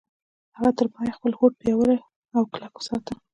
هغه تر پايه خپل هوډ پياوړی او کلک وساته.